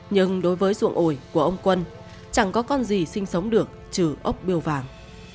nhưng đối với ruộng ồi của ông quân chẳng có con gì sinh sống được trừ ốc biêu vàng